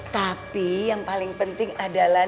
tapi yang paling penting adalah